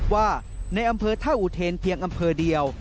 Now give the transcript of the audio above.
ว่าในอำเภอท่าอุเทนเพียงอำเภอเดียว